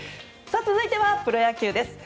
続いてはプロ野球です。